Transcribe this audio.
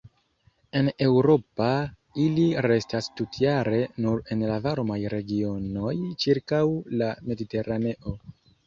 En Eŭropa ili restas tutjare nur en la varmaj regionoj ĉirkaŭ la Mediteraneo.